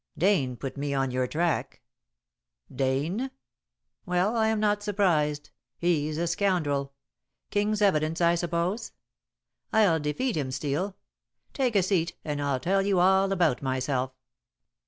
"Dane put me on your track." "Dane? Well, I'm not surprised. He's a scoundrel. King's evidence, I suppose? I'll defeat him, Steel. Take a seat and I'll tell you all about myself."